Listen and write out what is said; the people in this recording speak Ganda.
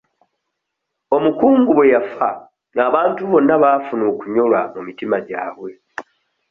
Omukungu bwe yafa abantu bonna baafuna okunyolwa mu mitima gyabwe.